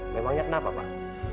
memangnya kenapa pak